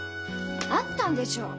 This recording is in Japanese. あったんでしょう？